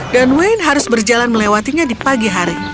dan wayne harus berjalan melewatinya di pagi hari